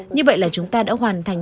như vậy là chúng ta đã hoàn thành năm mươi